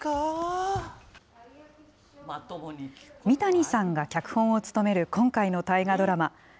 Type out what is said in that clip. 三谷さんが脚本を務める今回の大河ドラマ。